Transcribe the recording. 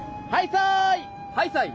ハイサイ！